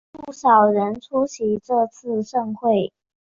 不少人出席这次盛会。